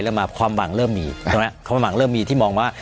เริ่มมาความหวังเริ่มมีความหวังเริ่มมีที่มองว่า